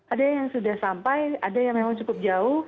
ada yang sudah sampai ada yang memang cukup jauh